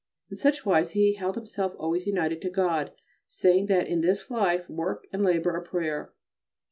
In such wise he held himself always united to God, saying that in this life work and labour are prayer.